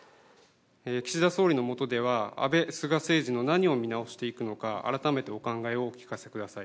岸田総理の下では安倍・菅政治の何を見直していくのか、改めてお考えをお聞かせください。